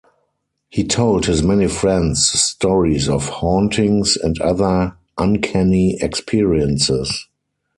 He told his many friends stories of hauntings and other uncanny experiences.